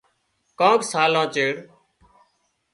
ڪانڪ سالان چيڙ